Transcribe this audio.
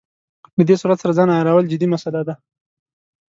له دې سرعت سره ځان عیارول جدي مساله ده.